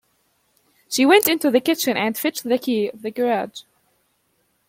She went into the kitchen and fetched the key of the garage.